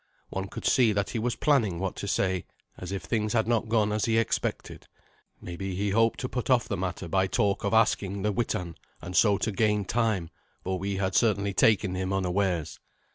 One could see that he was planning what to say, as if things had not gone as he expected. Maybe he hoped to put off the matter by talk of asking the Witan, and so to gain time, for we had certainly taken him unawares.